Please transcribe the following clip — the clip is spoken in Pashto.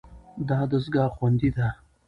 دا دستګاه خوندي ده.